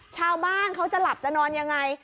ชาวบ้านเขาจะหลับจะนอนยังไง